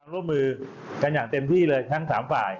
ร่วมมือกันอย่างเต็มที่เลยทั้ง๓ฝ่าย